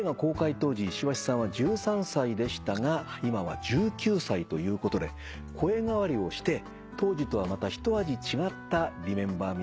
当時石橋さんは１３歳でしたが今は１９歳ということで声変わりをして当時とはまたひと味違った『リメンバー・ミー』を聴かせてくれます。